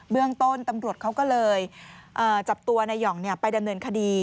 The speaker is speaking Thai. เรื่องต้นตำรวจเขาก็เลยจับตัวนายห่องไปดำเนินคดี